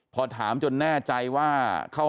พอถามจนแน่ใจว่า